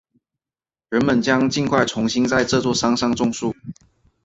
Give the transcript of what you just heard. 人们将尽快重新在这座山上种树。